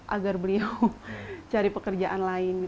agar beliau cari pekerjaan lain